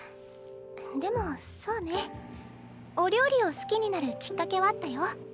でもそうねお料理を好きになるきっかけはあったよ。